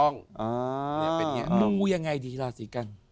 นูยังไงดีราศีกัณฑ์